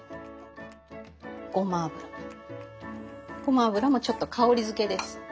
ごま油ごま油もちょっと香りづけです。